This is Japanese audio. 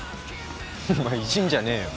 お前いじんじゃねえよ。